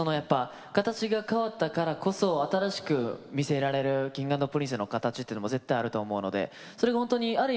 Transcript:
形が変わったからこそ新しく見せられるＫｉｎｇ＆Ｐｒｉｎｃｅの形ってのも絶対あると思うのでそれが本当にある意味